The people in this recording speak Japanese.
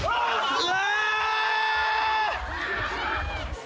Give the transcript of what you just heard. ・うわ！